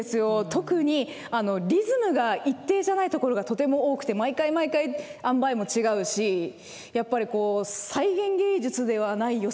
特にリズムが一定じゃないところがとても多くて毎回毎回あんばいも違うしやっぱり再現芸術ではないよさっていうのが改めて分かりますね。